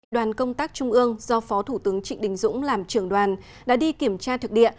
đoàn công tác trung ương do phó thủ tướng trịnh đình dũng làm trưởng đoàn đã đi kiểm tra thực địa